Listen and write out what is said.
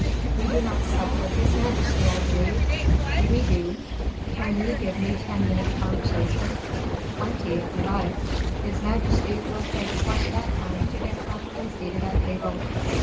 "We do not sup with his majesty, I believe?" "Well? we do." "Can you give me ten minutes' conversation?" "Twenty, if you like. His majesty will take quite that time to get properly seated at table."